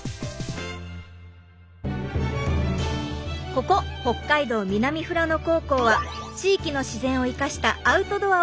ここ北海道南富良野高校は地域の自然を生かした「アウトドア」を授業で学ぶことができる